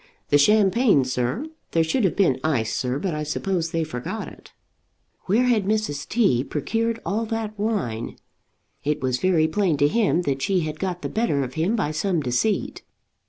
"The champagne, sir! there should have been ice, sir, but I suppose they forgot it." Where had Mrs. T. procured all that wine? It was very plain to him that she had got the better of him by some deceit.